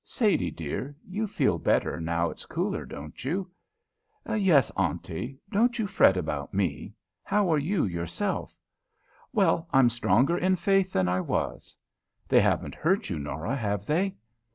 Sadie, dear, you feel better now its cooler, don't you?" "Yes, Auntie; don't you fret about me. How are you yourself?" "Well, I'm stronger in faith than I was. "They haven't hurt you, Norah, have they?"